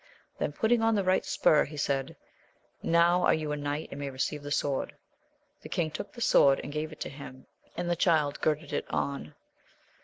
Then, putting on the right spur, he said, Now are you a knight, and may receive the sword. The king took the sword, and gave it to him, and the child girded it on.